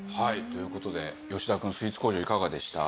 という事で吉田くんスイーツ工場いかがでした？